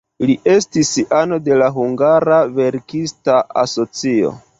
Li estis ano de la hungara verkista asocio.